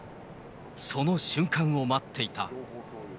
その瞬間を待っていた。